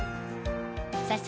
早速